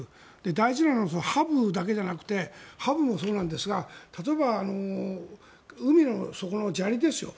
大事なのはハブだけじゃなくてハブもそうなんですが例えば、海の底の砂利ですよ。